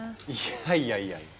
いやいやいや